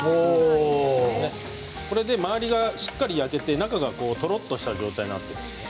これで周りがしっかり焼けて、中がとろっとした状態になってます。